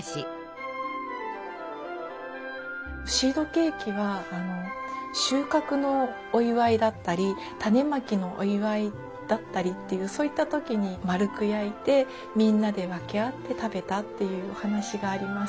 シードケーキは収穫のお祝いだったり種まきのお祝いだったりっていうそういった時に丸く焼いてみんなで分け合って食べたっていうお話があります。